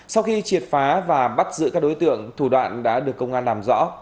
sau khi triệt phá và bắt giữ các đối tượng thủ đoạn đã được công an làm rõ